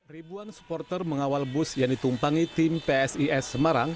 ribuan supporter mengawal bus yang ditumpangi tim psis semarang